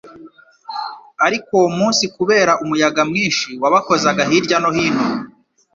ariko uwo munsi kubera umuyaga mwinshi wabakozaga hirya no hino,